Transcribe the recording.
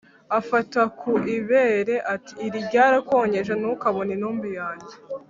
Afata ku ibere ati: “Iri ryarakonkeje ntukabone intumbi yange